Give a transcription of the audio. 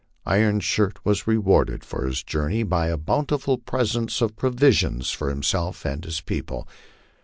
Iron Shirt was rewarded for his journey by bountiful presents of provisions for himself and his people.